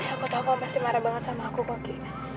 aku tau kau pasti marah banget sama aku koki